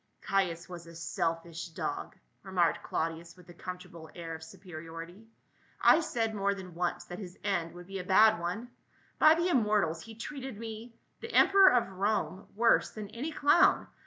" Caius was a selfish dog," remarked Claudius with a comfortable air of superiority. " I said more than once that his end would be a bad one. By the im mortals, he treated me — the emperor of Rome — worse than any clown.